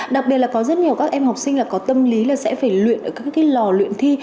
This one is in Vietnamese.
đặc biệt là có rất nhiều các em học sinh có tâm lý sẽ phải luyện ở các lò luyện thi